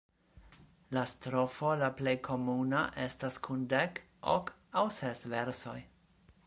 La strofo la plej komuna estas kun dek, ok aŭ ses versoj.